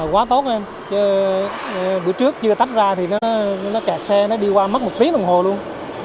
quá tốt em chứ bữa trước chưa tách ra thì nó kẹt xe nó đi qua mất một tiếng đồng hồ luôn